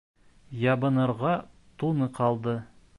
Ябынырға туны ҡалды.